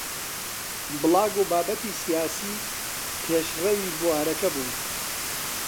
بڵاگ و بابەتی سیاسی پێشڕەوی بوارەکە بوون